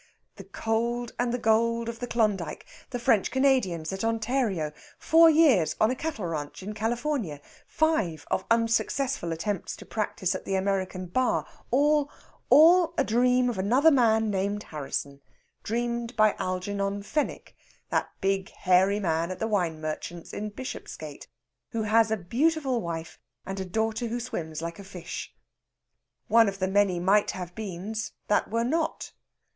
The cold and the gold of the Klondyke, the French Canadians at Ontario, four years on a cattle ranch in California, five of unsuccessful attempts to practise at the American Bar all, all a dream of another man named Harrisson, dreamed by Algernon Fenwick, that big hairy man at the wine merchant's in Bishopsgate, who has a beautiful wife and a daughter who swims like a fish. One of the many might have beens that were not!